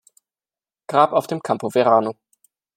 Grab auf dem Campo Verano.